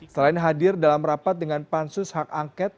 selain hadir dalam rapat dengan pan susak angket